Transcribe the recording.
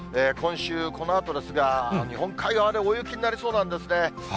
今週、このあとですが、日本海側で大雪になりそうなんですね。